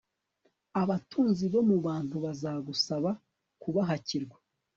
abatunzi bo mu bantu bazagusaba kubahakirwa